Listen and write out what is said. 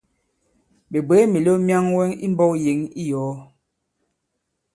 Ɓè bwě mìlew myaŋwɛ i mbɔ̄k yěŋ i yòo?